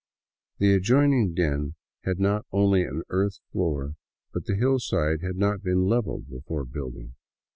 The adjoining den had not only an earth floor, but the hillside had not been levelled before building.